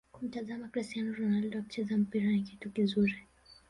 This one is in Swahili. Kumtazama Crstiano Ronaldo akicheza mpira ni kitu kizuri